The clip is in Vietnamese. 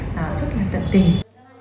rất là tận tình